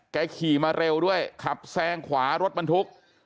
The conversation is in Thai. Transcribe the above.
ขี่มาเร็วด้วยขับแซงขวารถบรรทุก